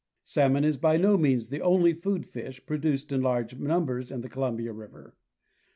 Salmon is by no means the only food fish produced in large numbers in Columbia river.